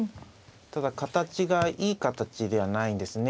ただ形がいい形ではないんですね